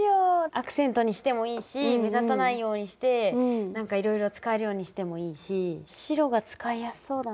アクセントにしてもいいし目立たないようにしてなんかいろいろ使えるようにしてもいいし白が使いやすそうだな。